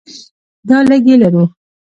دا لږې لرو.